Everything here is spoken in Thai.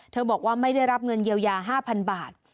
บอกว่าไม่ได้รับเงินเยียวยา๕๐๐๐บาท